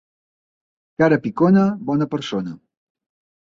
Cara picona, bona persona.